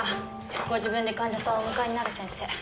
ご自分で患者さんをお迎えになる先生。